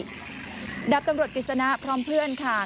ดาบตำรวจกฤษณะพร้อมเพื่อนค่ะ